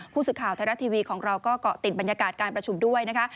ผู้สื่อข่าวไทยรัฐทีวีของเราก็เกาะติดบรรยากาศการประชุมด้วยนะคะ